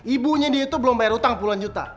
ibunya dia tuh belum bayar hutang puluhan juta